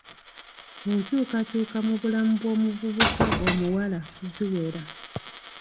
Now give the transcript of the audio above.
Enkyukakyuka mu bulamu bw'omuvubuka omuwala ziwera.